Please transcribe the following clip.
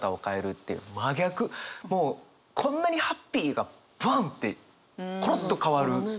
もうこんなにハッピーがバンッてコロッと変わる。